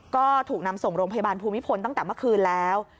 ก็ถูกนำส่งโรงพยาบาลภูมิพลตั้งแต่เมื่อคืนแล้ว